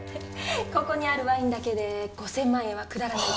ここにあるワインだけで５０００万円は下らないと。